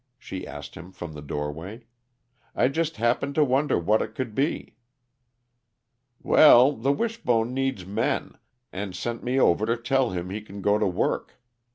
she asked him from the doorway. "I just happened to wonder what it could be." "Well, the Wishbone needs men, and sent me over to tell him he can go to work.